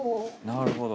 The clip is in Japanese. なるほど。